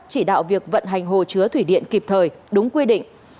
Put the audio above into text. chỉ đạo việc vận hành hồ chứa thủy điện kịp thời đúng quy định